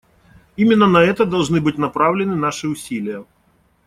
Именно на это должны быть направлены наши усилия.